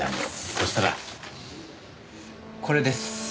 そしたらこれです。